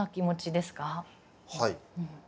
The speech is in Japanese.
はい。